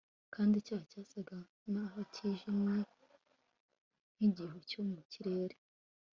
kandi icyaha cyasaga naho kijimye nk'igihu cyo mu kirere